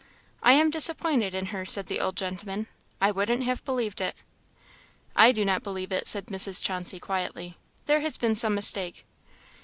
"I am disappointed in her," said the old gentleman; "I wouldn't have believed it." "I do not believe it," said Mrs. Chauncey, quietly; "there has been some mistake."